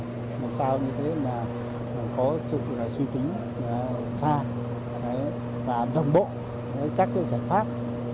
làm sao như thế là có sự suy tính xa và đồng bộ các cái giải pháp